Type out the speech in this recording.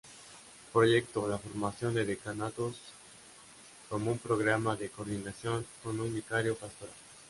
Proyectó la formación de Decanatos, como un programa de coordinación con un Vicario Pastoral.